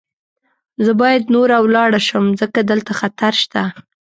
زه باید نوره ولاړه شم، ځکه دلته خطر شته.